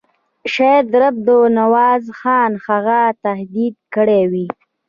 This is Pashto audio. شاید رب نواز خان هغه تهدید کړی وي.